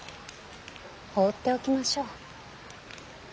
放っておきましょう。